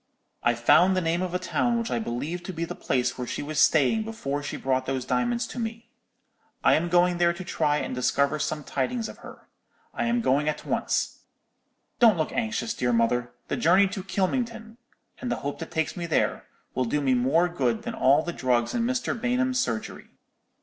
"'I've found the name of a town which I believe to be the place where she was staying before she brought those diamonds to me. I am going there to try and discover some tidings of her. I am going at once. Don't look anxious, dear mother; the journey to Kylmington, and the hope that takes me there, will do me more good than all the drugs in Mr. Bainham's surgery.